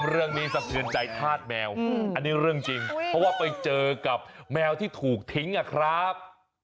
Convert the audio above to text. สะเทือนใจธาตุแมวอันนี้เรื่องจริงเพราะว่าไปเจอกับแมวที่ถูกทิ้งอะครับ